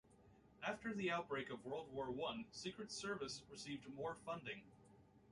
After the outbreak of World War One, Secret Service received more funding.